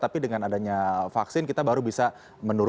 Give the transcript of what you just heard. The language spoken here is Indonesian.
pada waktu itu